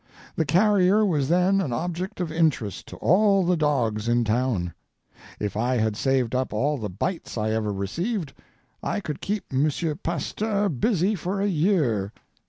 The carrier was then an object of interest to all the dogs in town. If I had saved up all the bites I ever received, I could keep M. Pasteur busy for a year.